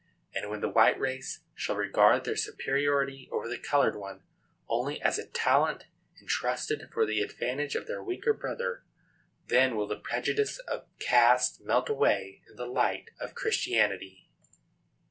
And when the white race shall regard their superiority over the colored one only as a talent intrusted for the advantage of their weaker brother, then will the prejudice of caste melt away in the light of Christianity.